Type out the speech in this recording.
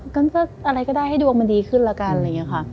ก็อะไรก็ได้ให้ดวงมันดีขึ้นแล้วกันอะไรอย่างนี้ค่ะ